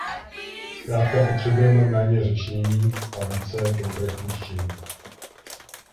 Zkrátka potřebujeme méně řečnění a více konkrétních činů.